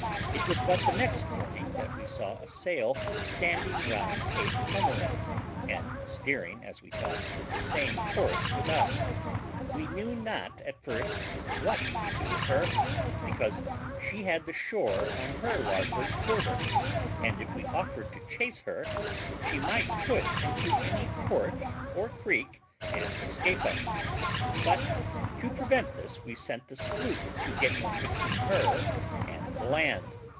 It was but the next morning that we saw a sail standing round Cape Comorin, and steering, as we thought, the same course with us. We knew not at first what to do with her, because she had the shore on her larboard quarter, and if we offered to chase her, she might put into any port or creek, and escape us; but, to prevent this, we sent the sloop to get in between her and the land.